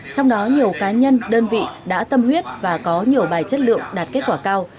trong đó nhiều cá nhân đơn vị đã tâm huyết và có nhiều bài chất lượng đạt kết quả cao